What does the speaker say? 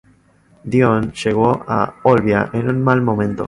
Dión llegó a Olbia en un mal momento.